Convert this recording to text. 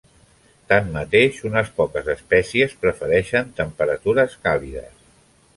Tanmateix, unes poques espècies prefereixen temperatures càlides.